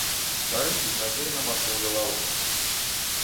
Стары безнадзейна матнуў галавой.